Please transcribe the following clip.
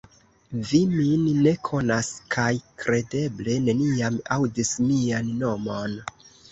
Vi min ne konas kaj kredeble neniam aŭdis mian nomon.